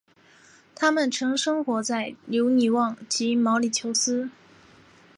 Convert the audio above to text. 它们曾生活在留尼旺及毛里裘斯。